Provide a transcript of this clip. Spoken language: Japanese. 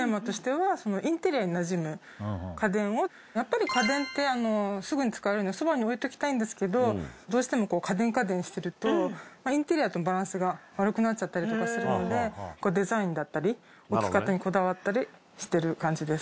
やっぱり家電ってすぐに使えるんでそばに置いておきたいんですけどどうしても家電家電してるとインテリアとのバランスが悪くなっちゃったりとかするのでデザインだったり置き方にこだわったりしてる感じです。